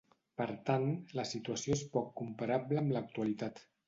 Per tant, la situació és poc comparable amb l’actualitat.